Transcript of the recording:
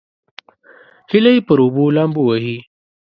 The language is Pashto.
هیلۍ پر اوبو لامبو وهي